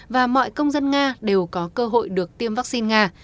và mọi công dân nga đều có cơ hội được tiêm vaccine nga